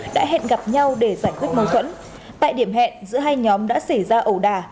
đã hẹn gặp nhau để giải quyết mâu thuẫn tại điểm hẹn giữa hai nhóm đã xảy ra ẩu đà